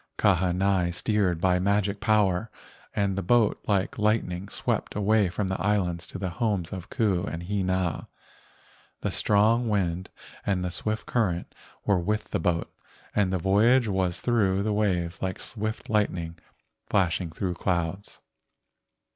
Ka¬ hanai steered by magic power, and the boat like lightning swept away from the islands to the homes of Ku and Hina. The strong wind and THE MAID OF THE GOLDEN CLOUD 143 the swift current were with the boat, and the voyage was through the waves like swift light¬ ning flashing through clouds.